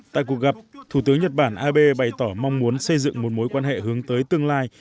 tại cuộc gặp thủ tướng nhật bản abe bày tỏ mong muốn xây dựng một mối quan hệ hướng tới tương lai